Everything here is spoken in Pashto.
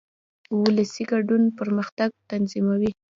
ولسي ګډون پرمختګ تضمینوي.